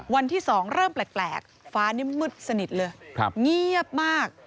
วันที่๒เริ่มแปลกฟ้านี่มืดสนิทเลยเงียบมาก